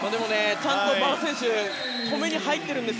ちゃんと原選手が止めに行っているんです。